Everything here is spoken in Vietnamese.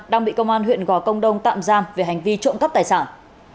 đang bị công an huyện gò công đông tạm giam về hành vi trộm cắp tài sản